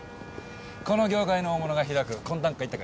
この業界の大物が開く懇談会って感じ。